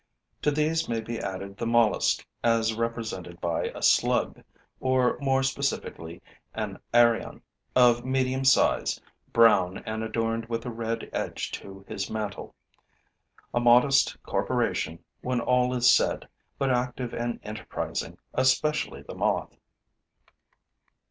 To these may be added the mollusk, as represented by a slug, or, more specifically, an arion, of medium size, brown and adorned with a red edge to his mantle. A modest corporation, when all is said, but active and enterprising, especially the moth.